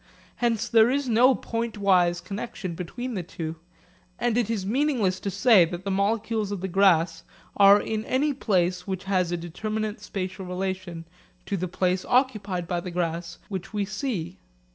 Hence there is no pointwise connexion between the two and it is meaningless to say that the molecules of the grass are in any place which has a determinate spatial relation to the place occupied by the grass which we see.